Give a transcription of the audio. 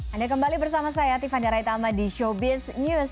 anda kembali bersama saya tiffan daraitama di showbiz news